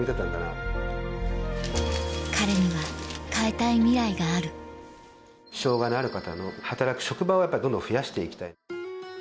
彼には変えたいミライがある障がいのある方の働く職場をどんどん増やして行きたい。